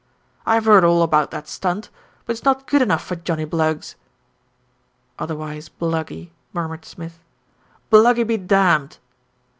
"I've heard all about that stunt; but it's not good enough for Johnnie Bluggs." "Otherwise Bluggy," murmured Smith. "Bluggy be damned!"